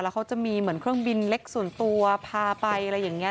เขาจะมีเหมือนเครื่องบินเล็กส่วนตัวพาไปอะไรอย่างนี้